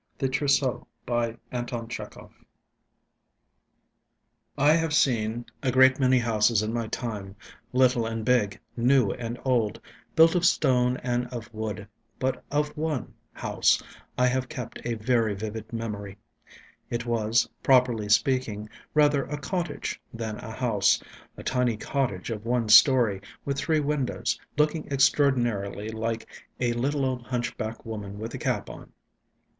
THE TROUSSEAU I HAVE seen a great many houses in my time, little and big, new and old, built of stone and of wood, but of one house I have kept a very vivid memory. It was, properly speaking, rather a cottage than a house a tiny cottage of one story, with three windows, looking extraordinarily like a little old hunchback woman with a cap on.